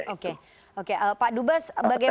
oke pak dubes bagaimana